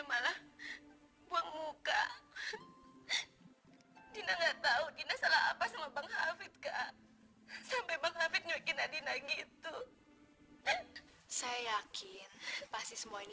malah buang muka salah apa sama bang hafidh ke sampai banget gitu saya yakin pasti semua ini